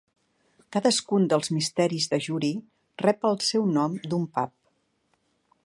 Cadascun dels misteris de Jury rep el seu nom d'un pub.